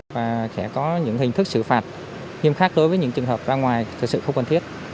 và sẽ có những hình thức xử phạt nghiêm khắc đối với những trường hợp ra ngoài thực sự không cần thiết